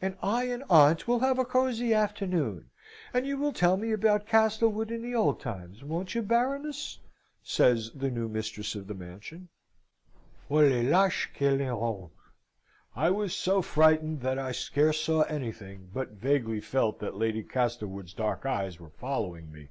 "And I and aunt will have a cosy afternoon. And you will tell me about Castlewood in the old times, won't you, Baroness?" says the new mistress of the mansion. O les laches que les hommes! I was so frightened, that I scarce saw anything, but vaguely felt that Lady Castlewood's dark eyes were following me.